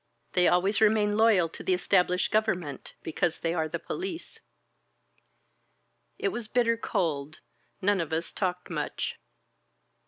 They always remain loyal to the established government. Because they are police." It was bitter cold. None of us talked much.